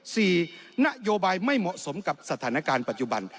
นโยบายไม่เหมาะสมกับสถานการณ์ปัจจุบัน